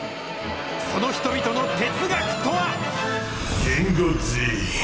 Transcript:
その人々の哲学とは。